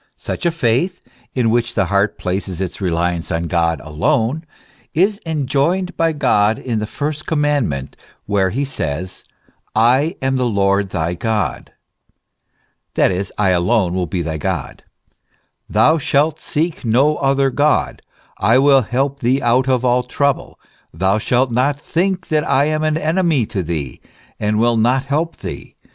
Such a faith, in which the heart places its reliance on God alone, is enjoined by God in the first commandment, where he says, I am the Lord thy God That is, I alone will he thy God, thou shalt seek no other God ; I will help thee out of all trouble. Thou shalt not think that I am an enemy to thee, and will not help thee.